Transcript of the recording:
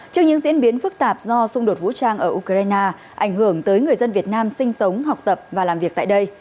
trước những diễn biến phức tạp do xung đột vũ trang ở ukraine ảnh hưởng tới người dân việt nam sinh sống học tập và làm việc tại đây